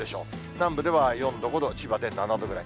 南部では４度、５度、千葉で７度ぐらい。